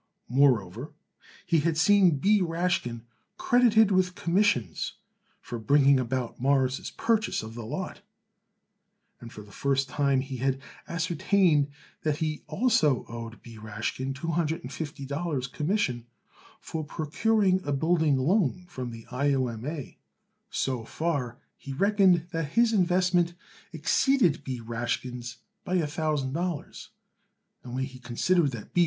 Moreover, he had seen B. Rashkin credited with commissions for bringing about Morris' purchase of the lot, and for the first time he had ascertained that he also owed B. Rashkin two hundred and fifty dollars commission for procuring a building loan from the I. O. M. A. So far he reckoned that his investment exceeded B. Rashkin's by a thousand dollars, and when he considered that B.